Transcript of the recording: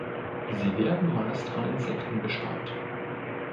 Sie werden meist von Insekten bestäubt.